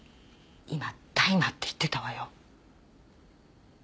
今大麻って言ってたわよ。